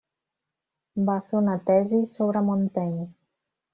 Va fer una tesi sobre Montaigne.